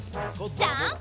ジャンプ！